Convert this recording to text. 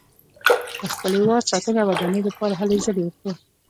د خپل هېواد ساتنې او ودانۍ لپاره هلې ځلې وکړو.